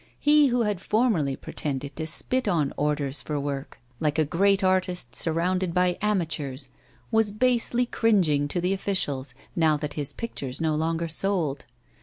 He, who had formerly pretended to spit on orders for work, like a great artist surrounded by amateurs, was basely cringing to the officials, now that his pictures no longer sold.